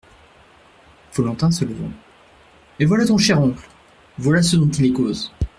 Follentin se levant. — Et voilà ton cher oncle, voilà ce dont il est cause !